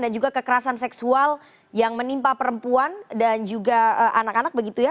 dan juga kekerasan seksual yang menimpa perempuan dan juga anak anak begitu ya